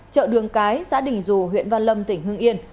chợ đường cái xã đình dù huyện văn lâm tỉnh hưng yên